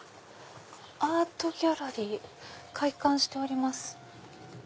アートギャラリー「開館しております」。